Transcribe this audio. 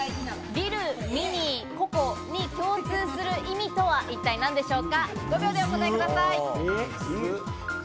リル、ミニー、ココに共通する意味とは一体何でしょうか？